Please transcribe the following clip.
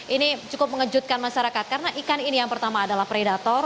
ini cukup mengejutkan masyarakat karena ikan ini yang pertama adalah predator